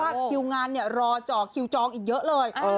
คิวงานเนี่ยรอเจาะคิวจองอีกเยอะเลย